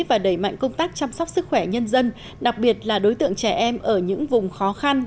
và đẩy mạnh công tác chăm sóc sức khỏe nhân dân đặc biệt là đối tượng trẻ em ở những vùng khó khăn